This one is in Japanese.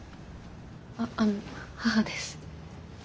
あっあの母です。